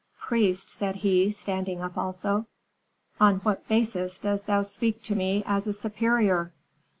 "Priest," said he, standing up also, "on what basis dost thou speak to me as a superior?"